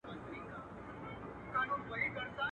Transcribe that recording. o ورکه سې کمبلي، چي نه د باد يې نه د باران.